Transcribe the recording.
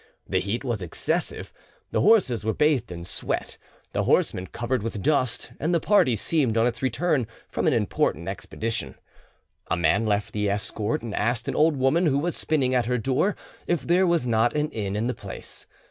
The heat was excessive, the horses were bathed in sweat, the horsemen covered with dust, and the party seemed on its return from an important expedition. A man left the escort, and asked an old woman who was spinning at her door if there was not an inn in the place.